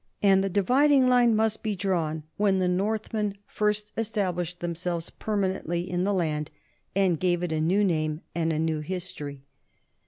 And the dividing line must be drawn when the Northmen first established themselves permanently in the land and gave it a new name and a new history.